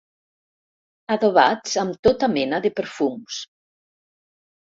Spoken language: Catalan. Adobats amb tota mena de perfums.